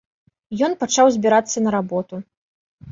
Ён пачаў збірацца на работу.